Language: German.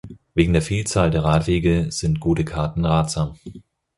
Wegen der Vielzahl der Radwege sind gute Karten ratsam.